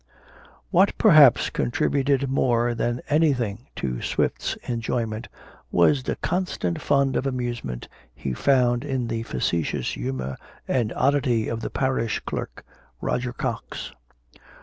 What perhaps contributed more than any thing to Swift's enjoyment, was the constant fund of amusement he found in the facetious humor and oddity of the parish clerk, Roger Cox.